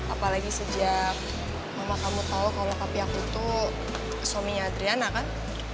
apalagi sejak mama kamu tahu kalau kaki aku tuh suaminya adriana kan